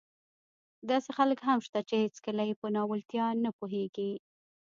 داسې خلک هم شته چې هېڅکله يې په ناولتیا نه پوهېږي.